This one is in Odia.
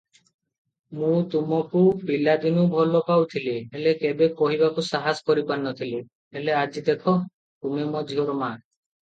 ମୁଁ ତମକୁ ପିଲାଦିନୁ ଭଲ ପାଉଥିଲି, ହେଲେ କେବେ କହିବାକୁ ସାହସ କରିପାରିନଥିଲି ହେଲେ ଦେଖ ଆଜି ତୁମେ ମୋ ଝିଅର ମା